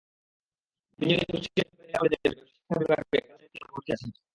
তিনজনই কুষ্টিয়া সরকারি মহিলা কলেজের ব্যবসায় শিক্ষা বিভাগে একাদশ শ্রেণিতে ভর্তি হয়েছে।